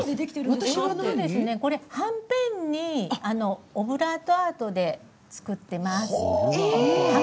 はんぺんにオブラートアートで作っています。